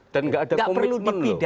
dan nggak ada komitmen lho